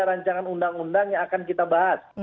rancangan undang undang yang akan kita bahas